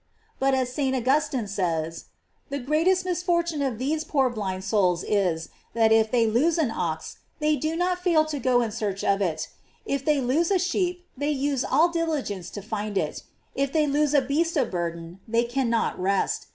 J But as St. Augustine says: The greatest misfortune of these poor blind souls is, that if they lose an ox, they do not fail to go in search of it; if they lose a sheep, they use all diligence to find it; if they lose a beast of burden, they cannot rest?